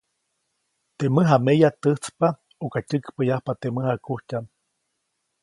Teʼ mäjameya täjtspa ʼuka tyäkpäʼyajpa teʼ mäjakujtyaʼm.